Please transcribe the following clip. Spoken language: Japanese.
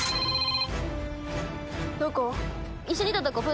どこ？